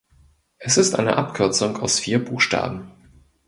Es ist eine Abkürzung aus vier Buchstaben.